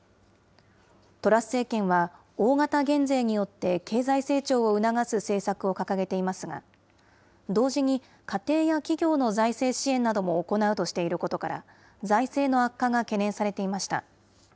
トラス政権は、大型減税によって経済成長を促す政策を掲げていますが、同時に、家庭や企業の財政支援なども行うとしていることから、財政の悪化が懸念されていました。